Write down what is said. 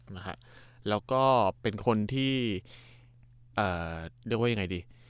นะฮะแล้วก็เป็นคนที่เอ่อเรียกว่ายังไงดี